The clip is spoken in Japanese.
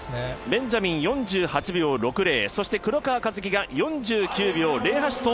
ベンジャミン、４８秒６０、そして、黒川和樹が４９秒０８と